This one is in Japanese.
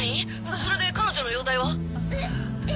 それで彼女の容体は？え？